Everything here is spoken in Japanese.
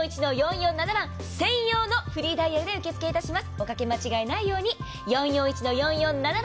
おかけ間違いのないように。